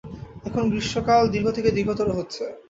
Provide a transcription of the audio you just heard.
এখন গ্রীষ্মকাল দীর্ঘ থেকে দীর্ঘতর হচ্ছে।